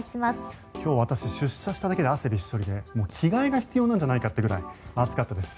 今日、私、出社しただけで汗びっしょりで着替えが必要なくらい暑かったです。